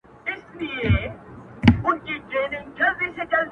بیا د ژړو ګلو وار سو د زمان استازی راغی؛